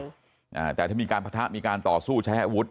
อ่าแต่ถ้ามีการปะทะมีการต่อสู้ใช้อาวุธ